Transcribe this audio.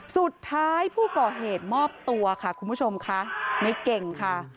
สุดท้ายผู้ก่อเหตุมอบตัวค่ะคุณผู้ชมค่ะในเก่งค่ะ